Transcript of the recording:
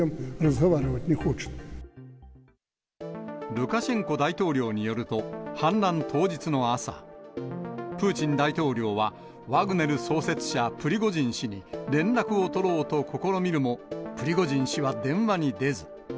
ルカシェンコ大統領によると、反乱当日の朝、プーチン大統領はワグネル創設者、プリゴジン氏に連絡を取ろうと試みるも、プリゴジン氏は電話に出ず。